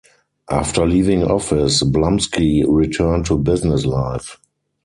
After leaving office, Blumsky returned to business life.